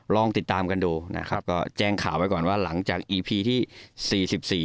ลองติดตามกันดูนะครับก็แจ้งข่าวไว้ก่อนว่าหลังจากอีพีที่สี่สิบสี่